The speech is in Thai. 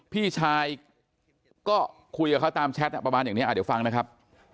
พี่ชายก็คุยกับเขาตามแชทประมาณอย่างนี้เดี๋ยวฟังนะครับ